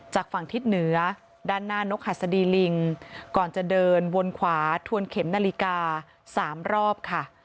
จากฝั่งทิศเหนือด้านหน้านกหัสดีลิงก่อนจะเดินวนขวาทวนเข็มนาฬิกา๓รอบค่ะ